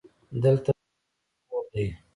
دلته د ښکاري کور دی: